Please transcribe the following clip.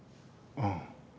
うん。